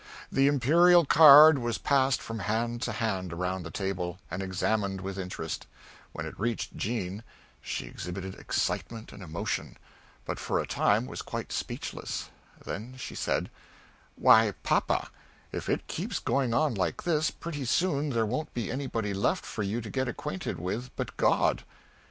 The imperial card was passed from hand to hand, around the table, and examined with interest; when it reached Jean she exhibited excitement and emotion, but for a time was quite speechless; then she said, "Why, papa, if it keeps going on like this, pretty soon there won't be anybody left for you to get acquainted with but God."